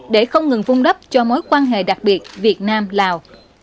để không ngừng vung đắp cho mối quan hệ đặc biệt việt nam lào